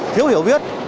thiếu hiểu biết